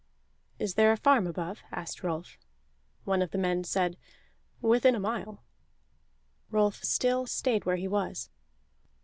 "Is there a farm above?" asked Rolf. One of the men said: "Within a mile." Rolf still stayed where he was.